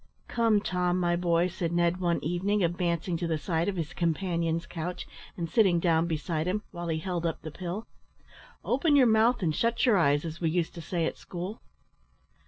"Come, Tom, my boy," said Ned, one evening, advancing to the side of his companion's couch and sitting down beside him, while he held up the pill "Open your mouth, and shut your eyes, as we used to say at school."